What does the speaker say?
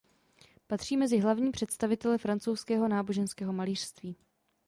Patří mezi hlavní představitele francouzského náboženského malířství.